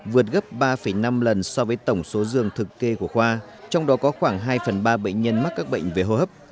vượt gấp ba năm lần so với tổng số giường thực kê của khoa trong đó có khoảng hai phần ba bệnh nhân mắc các bệnh về hô hấp